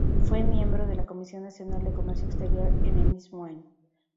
Fue miembro de la Comisión Nacional de Comercio Exterior en el mismo año.